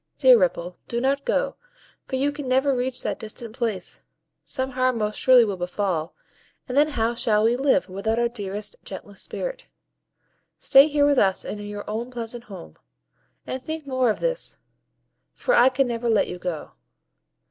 Dear Ripple, do not go, for you can never reach that distant place: some harm most surely will befall; and then how shall we live, without our dearest, gentlest Spirit? Stay here with us in your own pleasant home, and think no more of this, for I can never let you go."